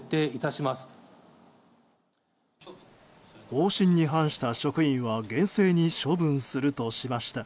方針に反した職員は厳正に処分するとしました。